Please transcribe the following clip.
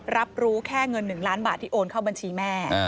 รับรู้แค่เงิน๑ล้านบาทที่โอนเข้าบัญชีแม่